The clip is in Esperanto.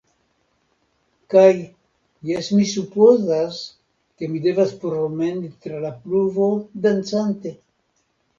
Kaj, jes mi supozas, ke mi devas promeni tra la pluvo, dancante.